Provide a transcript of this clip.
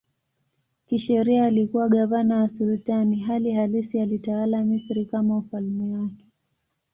Kisheria alikuwa gavana wa sultani, hali halisi alitawala Misri kama ufalme wake.